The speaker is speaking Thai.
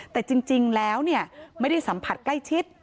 แต่จริงแล้วไม่ได้สัมผัสใกล้ชิด